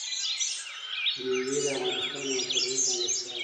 مېوې د افغانستان یوه طبیعي ځانګړتیا ده.